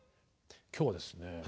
今日はですね